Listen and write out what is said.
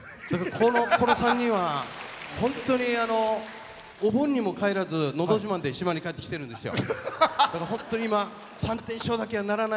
この３人は本当にお盆にも帰らず「のど自慢」に島に帰ってきてるんですよ。